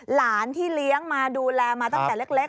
หลานที่เลี้ยงมาดูแลมาตั้งแต่เล็ก